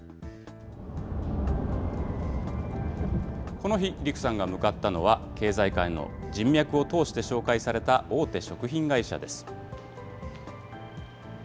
この日、陸さんが向かったのは、経済界の人脈を通して紹介された大手食品会社です。